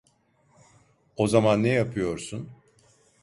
O zaman ne yapıyorsun?